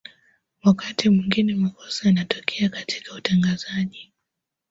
wakati mwingine makosa yanatokea katika utangazaji